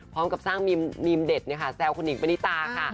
พร้อมกับสร้างมีมเด็ดแซวคุณหิงปณิตาค่ะ